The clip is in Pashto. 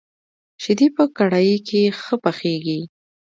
شيدې په کړايي کي ښه پخېږي.